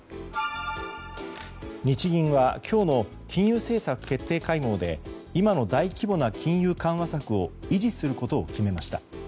日銀は今日の金融政策決定会合で今の大規模な金融緩和策を維持することを決めました。